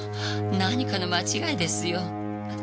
何かの間違いですよ。